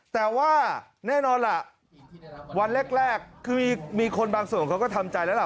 แต่ว่าแน่นอนล่ะวันแรกคือมีคนบางส่วนเขาก็ทำใจแล้วล่ะ